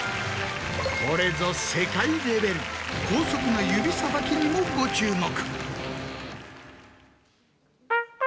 これぞ世界レベル高速の指さばきにもご注目。